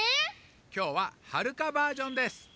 きょうははるかバージョンです。